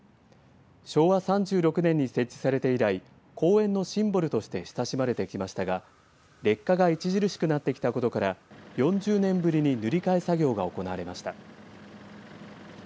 昭和３６年に設置されて以来公園のシンボルとして親しまれてきましたが劣化が著しくなってきたことから４０年ぶりに塗り替え作業が行われました。